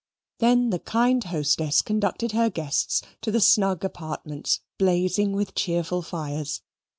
Then the kind hostess conducted her guests to the snug apartments blazing with cheerful fires.